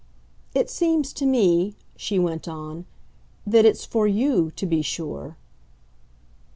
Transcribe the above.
"It seems to me," she went on, "that it's for YOU to be sure."